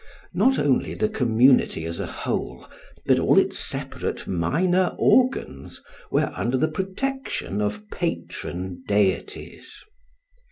Not only the community as a whole but all its separate minor organs were under the protection of patron deities.